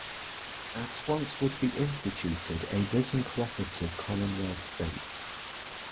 At once would be instituted a dozen cooperative commonwealth states.